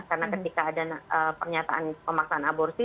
karena ketika ada pernyataan pemaksaan aborsi